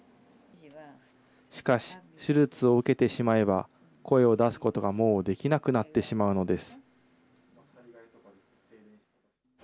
しかし、手術を受けてしまえば、声を出すことが、もうできなくなってしまうのです。